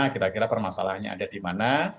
kira kira permasalahannya ada di mana